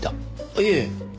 いえ。